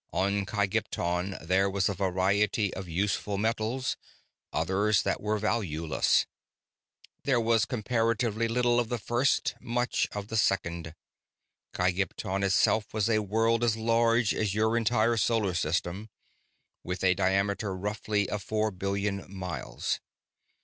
On Kygpton there was a variety of useful metals, others that were valueless. There was comparatively little of the first, much of the second. Kygpton itself was a world as large as your entire solar system, with a diameter roughly of four billion miles.